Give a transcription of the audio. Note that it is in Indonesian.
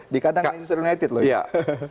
dikatakan di united loh